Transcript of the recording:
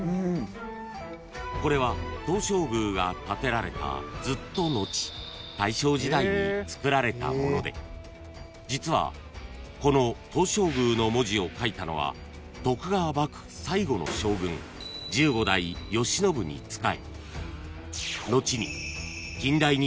［これは東照宮が建てられたずっと後大正時代につくられたもので実はこの「東照宮」の文字を書いたのは徳川幕府最後の将軍十五代慶喜に仕え後に］